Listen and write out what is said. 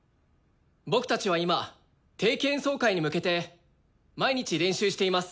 僕たちは今定期演奏会に向けて毎日練習しています。